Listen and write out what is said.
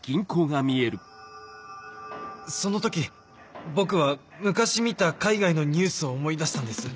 その時僕は昔見た海外のニュースを思い出したんです